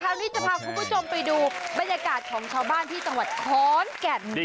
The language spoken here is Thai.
คราวนี้จะพาคุณผู้ชมไปดูบรรยากาศของชาวบ้านที่จังหวัดขอนแก่น